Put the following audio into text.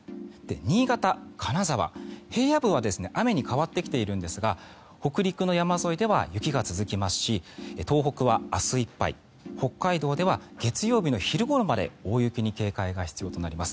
新潟、金沢、平野部では雨に変わってきているんですが北陸の山沿いでは雪が続きますし東北は明日いっぱい北海道では月曜日の昼ごろまで大雪に警戒が必要となります。